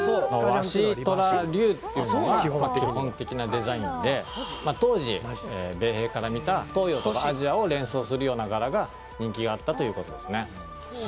ワシ、トラ、竜というのが基本的なデザインで当時、米兵から見た東洋とアジアを連想するような柄が人気があったということです。